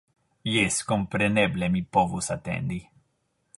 Jes, kompreneble mi povus atendi.